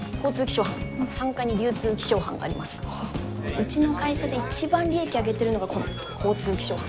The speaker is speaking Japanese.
うちの会社で一番利益上げてるのがこの交通気象班。